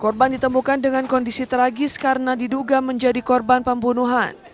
korban ditemukan dengan kondisi tragis karena diduga menjadi korban pembunuhan